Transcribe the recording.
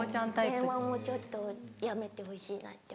電話もちょっとやめてほしいなって思う。